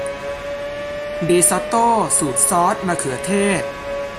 ริซอตโต้สูตรซอสมะเขือเทศ